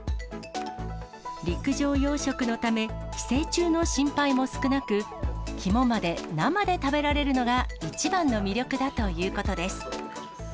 陸上養殖のため、寄生虫の心配も少なく、肝まで生で食べられるのが一番の魅力だということです。